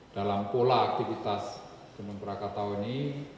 dalam pola aktivitas penumpang kataun ini